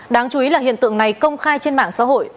đáng chú ý là hiện tượng này công khai trên mạng xã hội